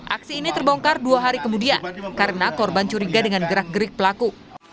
aksi ini terbongkar dua hari kemudian karena korban curiga dengan gerak gerik pelaku